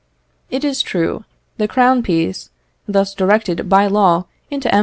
It is true, the crown piece, thus directed by law into M.